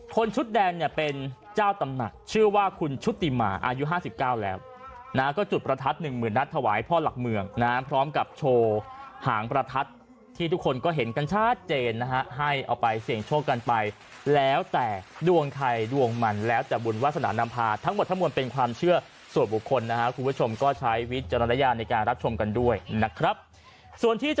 ชุดแดงเนี่ยเป็นเจ้าตำหนักชื่อว่าคุณชุติมาอายุ๕๙แล้วก็จุดประทัดหนึ่งหมื่นนัดถวายพ่อหลักเมืองนะพร้อมกับโชว์หางประทัดที่ทุกคนก็เห็นกันชัดเจนนะฮะให้เอาไปเสี่ยงโชคกันไปแล้วแต่ดวงใครดวงมันแล้วแต่บุญวาสนานำพาทั้งหมดทั้งมวลเป็นความเชื่อส่วนบุคคลนะฮะคุณผู้ชมก็ใช้วิจารณญาณในการรับชมกันด้วยนะครับส่วนที่